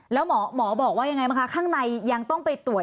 แล้วหมอบอกว่ายังไงบ้างคะข้างในยังต้องไปตรวจ